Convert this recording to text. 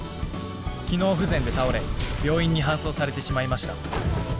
機能不全で倒れ病院に搬送されてしまいました。